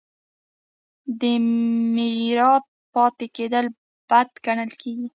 د میرات پاتې کیدل بد ګڼل کیږي.